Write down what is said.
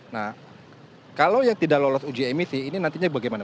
nah kalau yang tidak lolos uji emisi ini nantinya bagaimana